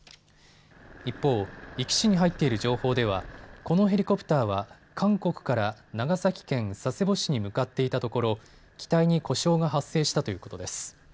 一方、壱岐市に入っている情報ではこのヘリコプターは韓国から長崎県佐世保市に向かっていたところ機体に故障が発生したということです。